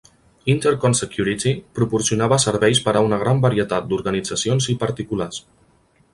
Intercon Security proporcionava serveis per a una gran varietat d'organitzacions i particulars.